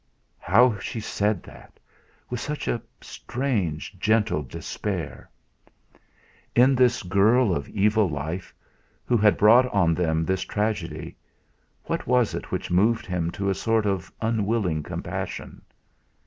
How she said that! With what a strange gentle despair! In this girl of evil life, who had brought on them this tragedy, what was it which moved him to a sort of unwilling compassion?